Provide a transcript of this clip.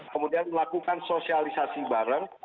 kemudian melakukan sosialisasi bareng